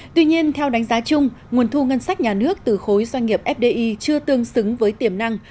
tuy nhiên theo đánh giá chung nguồn thu ngân sách nhà nước từ khối doanh nghiệp fdi chưa tương xứng với tiềm năng